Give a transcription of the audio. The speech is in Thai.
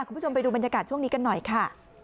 คุณผู้ชมไปดูบรรยากาศช่วงนี้กันหน่อยค่ะ